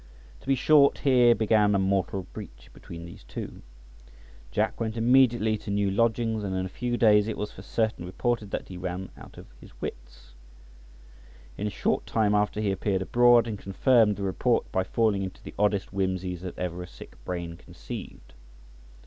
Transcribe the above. To be short, here began a mortal breach between these two. Jack went immediately to new lodgings, and in a few days it was for certain reported that he had run out of his wits. In a short time after he appeared abroad, and confirmed the report by falling into the oddest whimsies that ever a sick brain conceived.